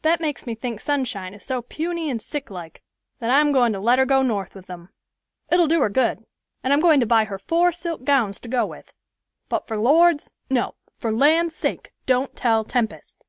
That makes me think Sunshine is so puny and sick like, that I'm goin' to let her go North with them. It'll do her good; and I'm going to buy her four silk gowns to go with, but for Lord's—no, for land's sake don't tell Tempest."